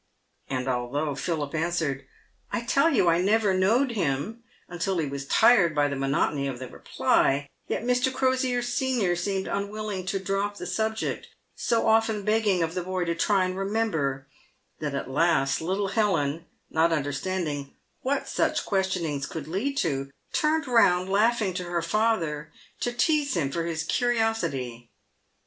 And although Philip answered, " I tell you I never knowed him," until he was tired by the monotony of the reply, yet Mr. Crosier, senior, seemed unwilling to drop the subject, so often begging of the boy to try and remember, that at last little Helen, not understanding what such questionings could lead to, turned round laughing to her father to tease him for his curiosity.